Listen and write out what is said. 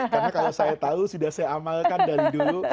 karena kalau saya tahu sudah saya amalkan dari dulu